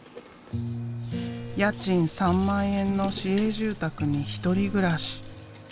家賃３万円の市営住宅に１人暮らし。